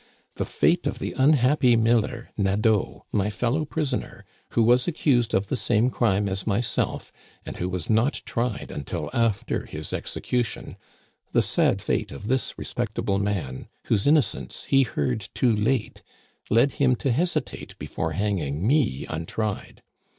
The fate of the unhappy miller Nadeau, my fellow prisoner, who was accused of the same crime as myself, and who was not tried until after his execution— the sad fate of this respectable man, whose innocence he heard too late, led him to hesitate before hanging me untried.